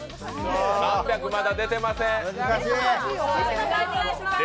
３００まだ出てません。